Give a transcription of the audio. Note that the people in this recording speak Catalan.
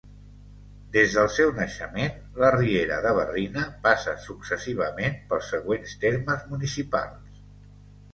Des del seu naixement, la Riera de Barrina passa successivament pels següents termes municipals.